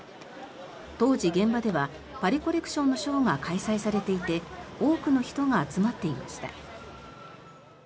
当時、現場ではパリ・コレクションのショーが開催されていて多くの人が集まっていました。